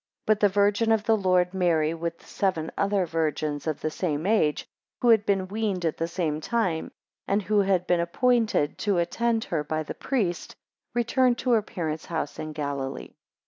7 But the Virgin of the Lord, Mary, with seven other virgins of the same age, who had been weaned at the same time, and who had been appointed to attend her by the priest, returned to her parents' house in Galilee.